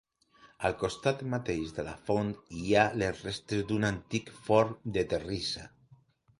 Al costat mateix de la font hi ha les restes d'un antic forn de terrissa.